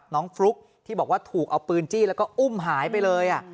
ฟลุ๊กที่บอกว่าถูกเอาปืนจี้แล้วก็อุ้มหายไปเลย